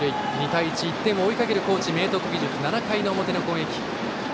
２対１、１点を追いかける高知・明徳義塾７回の表の攻撃。